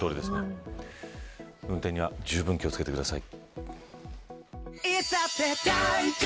運転には、じゅうぶんに気を付けてください。